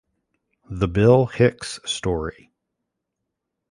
The Bill Hicks Story.